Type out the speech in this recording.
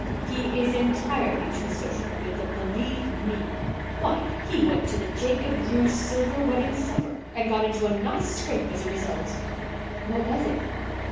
He is entirely too sociable with them, believe me. Why, he went to the Jacob Drews' silver wedding supper and got into a nice scrape as a result." "What was it?"